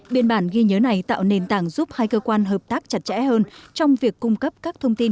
biên bản ghi nhớ này tạo nền tảng giúp hai cơ quan hợp tác chặt chẽ hơn trong việc cung cấp các thông tin